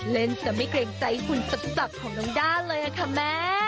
เล่นจะไม่เกรงใจหุ่นสับของน้องด้าเลยค่ะแม่